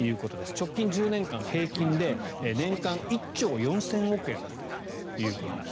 直近１０年間平均で年間１兆４０００億円あるということです。